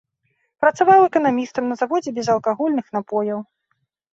Працаваў эканамістам на заводзе безалкагольных напояў.